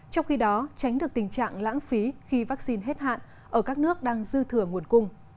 trong khi đó tránh được tình trạng lãng phí khi vaccine hết hạn ở các nước đang dư thừa nguồn cung